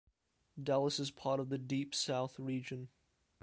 Dallas is part of the Deep South region.